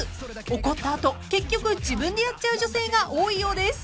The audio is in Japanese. ［怒った後結局自分でやっちゃう女性が多いようです］